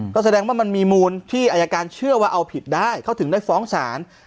ก็แสดงว่ามันมีมูลที่อายการเชื่อว่าเอาผิดได้เขาถึงได้ฟ้องศาล